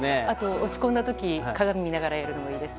落ち込んだ時、鏡を見ながらやるのがいいです。